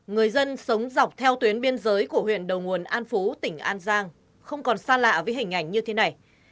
người dân sống dọc theo tuyến biên giới của huyện đầu nguồn an phú tỉnh an giang không còn xa lạ với hình ảnh như thế này